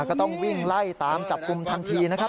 ก็ต้องวิ่งไล่ตามจับกลุ่มทันทีนะครับ